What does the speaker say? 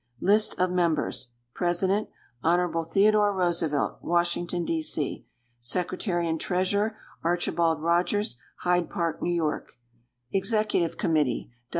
List of Members President. Hon. Theodore Roosevelt, Washington, D. C. Secretary and Treasurer. Archibald Rogers, Hyde Park, N. Y. _Executive Committee.